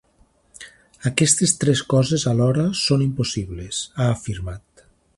Aquestes tres coses alhora són impossibles, ha afirmat.